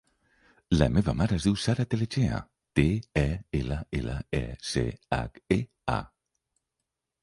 La meva mare es diu Sara Tellechea: te, e, ela, ela, e, ce, hac, e, a.